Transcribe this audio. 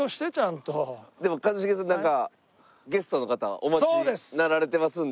でも一茂さんなんかゲストの方お待ちになられてますので。